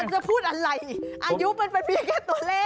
จะพูดอะไรอายุมันเป็นเพียงแค่ตัวเลข